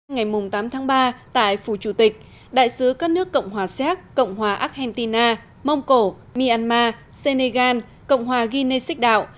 ngày tám tháng ba tại phủ chủ tịch đại sứ các nước cộng hòa séc cộng hòa argentina mông cổ myanmar senegal cộng hòa guinnessích đạo